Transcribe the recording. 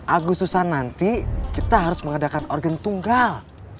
agus susah nanti kita harus mengadakan organ tunggal